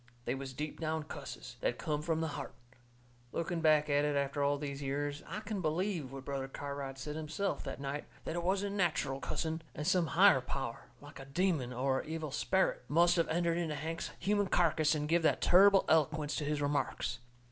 They was deep down cusses, that come from the heart. Looking back at it after all these years, I can believe what Brother Cartwright said himself that night, that it wasn't natcheral cussing and some higher power, like a demon or a evil sperrit, must of entered into Hank's human carkis and give that turrible eloquence to his remarks.